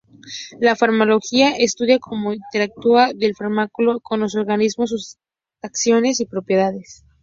La farmacología estudia como interactúa el fármaco con el organismo, sus acciones y propiedades.